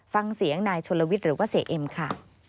ฟังเสียงนายชนลวิทย์หรือว่าเสียเอ็มค่ะ